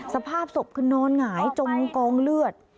สภาพศพขึ้นน้อนหงายจงกองเลือด